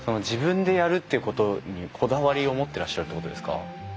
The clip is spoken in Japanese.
自分でやるっていうことにこだわりを持っていらっしゃるってことですか？